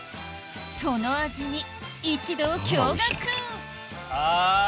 その味に一同驚愕あぁ。